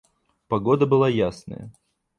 Погода была ясная.